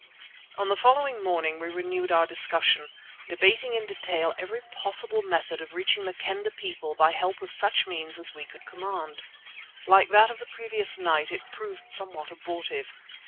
On the following morning we renewed our discussion, debating in detail every possible method of reaching the Kendah people by help of such means as we could command. Like that of the previous night it proved somewhat abortive.